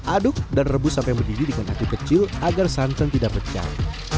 aduk dan rebus sampai mendidih dengan api kecil agar santan tidak pecah